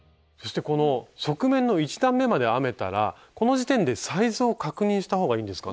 そしてこの側面の１段めまで編めたらこの時点でサイズを確認した方がいいんですか？